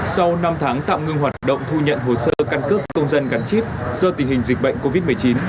sau năm tháng tạm ngưng hoạt động thu nhận hồ sơ căn cước công dân gắn chip do tình hình dịch bệnh covid một mươi chín